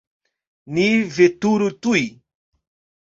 Ni veturu tuj!